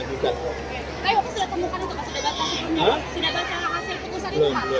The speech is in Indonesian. anda ingin menjawabkan soal ini pak